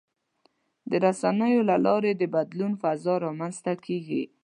د رسنیو له لارې د بدلون فضا رامنځته کېږي.